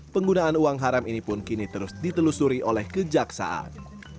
penggunaan uang haram ini pun kini terus ditelusuri oleh kejaksaan